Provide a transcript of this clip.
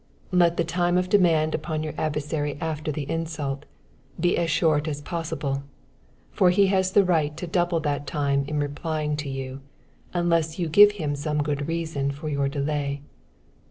Let the time of demand upon your adversary after the insult, be as short as possible, for he has the right to double that time in replying to you, unless you give him some good reason for your delay.